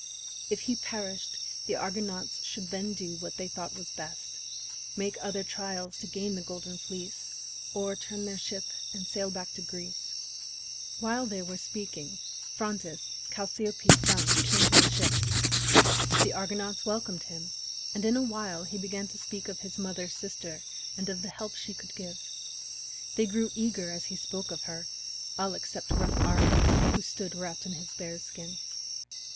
If he perished the Argonauts should then do what they thought was best make other trials to gain the Golden Fleece, or turn their ship and sail back to Greece. While they were speaking, Phrontis, Chalciope's son, came to the ship. The Argonauts welcomed him, and in a while he began to speak of his mother's sister and of the help she could give. They grew eager as he spoke of her, all except rough Arcas, who stood wrapped in his bear's skin.